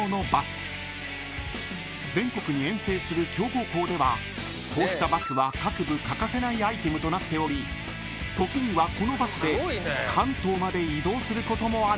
［全国に遠征する強豪校ではこうしたバスは各部欠かせないアイテムとなっており時にはこのバスで関東まで移動することもあるという］